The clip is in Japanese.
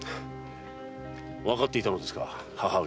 わかっていたのですか母上。